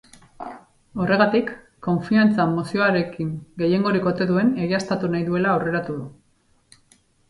Horregatik, konfiantza mozioarekin gehiengorik ote duen egiaztatu nahi duela aurreratu du.